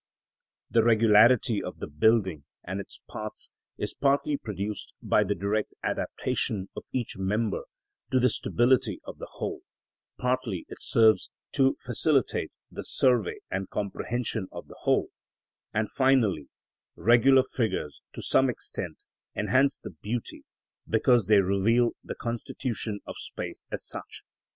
The regularity of the building and its parts is partly produced by the direct adaptation of each member to the stability of the whole, partly it serves to facilitate the survey and comprehension of the whole, and finally, regular figures to some extent enhance the beauty because they reveal the constitution of space as such.